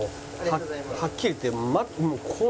はっきり言って。